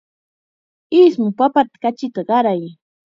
Ismu papata kuchita qaray.